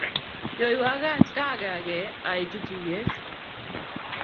Nyoiywo gaat, kaagake aitu tuiyet.